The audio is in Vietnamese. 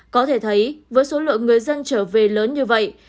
có thể thấy với số lượng người dân trở về lớn như vậy